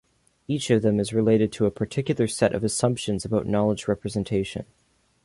Each of them is related to a particular set of assumptions about knowledge representation.